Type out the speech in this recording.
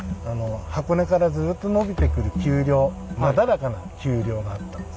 箱根からずっとのびてくる丘陵なだらかな丘陵があったんです。